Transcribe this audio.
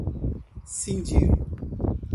cindir